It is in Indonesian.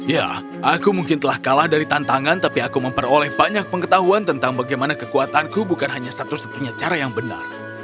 ya aku mungkin telah kalah dari tantangan tapi aku memperoleh banyak pengetahuan tentang bagaimana kekuatanku bukan hanya satu satunya cara yang benar